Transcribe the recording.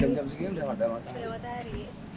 jam jam begini udah damat hari